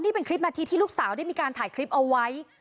นี่เป็นคลิปนาทีที่ลูกสาวได้มีการถ่ายคลิปเอาไว้